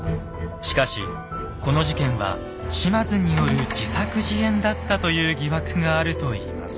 しかしこの事件は島津による自作自演だったという疑惑があるといいます。